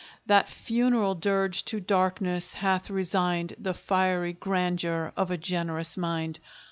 That funeral dirge to darkness hath resigned The fiery grandeur of a generous mind.